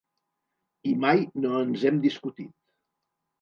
I mai no ens hem discutit.